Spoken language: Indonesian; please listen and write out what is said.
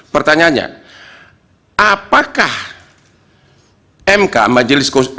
pertanyaan saya jokowi melakukan pelanggaran undang undang apbn jokowi melanggar tidak minta persetujuan dari dpr pertanyaannya